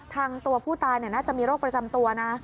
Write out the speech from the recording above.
ตัวผู้ตายน่าจะมีโรคประจำตัวนะ